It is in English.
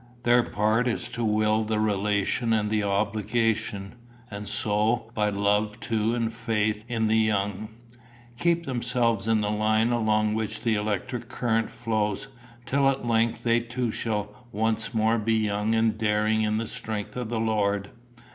Their part is to will the relation and the obligation, and so, by love to and faith in the young, keep themselves in the line along which the electric current flows, till at length they too shall once more be young and daring in the strength of the Lord.